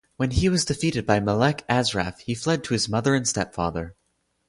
When he was defeated by Malek Asraf, he fled to his mother and stepfather.